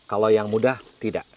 kalau yang mudah tidak